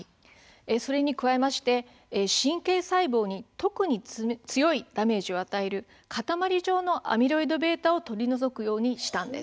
それに加えまして神経細胞に特に強いダメージを与える塊状のアミロイドβを取り除くようにしたんです。